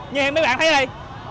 nhìn mấy bạn thấy đây